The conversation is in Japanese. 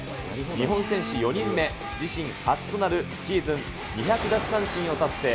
日本選手４人目、自身初となるシーズン２００奪三振を達成。